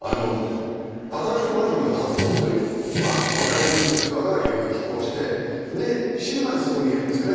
新しくマンションが建つと本当にまあ若い夫婦とかがよく引っ越して死ぬまでそこにいるんですよね。